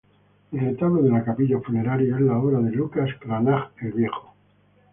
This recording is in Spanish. El retablo de la capilla funeraria es la obra de Lucas Cranach el Viejo.